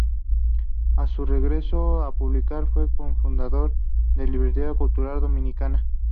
A su regreso a República fue co-fundador de la Librería Cultural Dominicana.